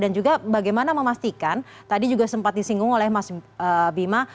dan juga bagaimana memastikan tadi juga sempat disinggung oleh mas gima